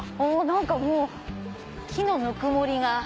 何かもう木のぬくもりが。